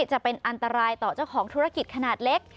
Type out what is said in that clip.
จะเป็นอันตรายต่อเจ้าของธุรกิจขนาดเล็ก